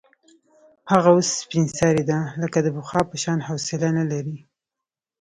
هغه اوس سپین سرې ده، لکه د پخوا په شان حوصله نه لري.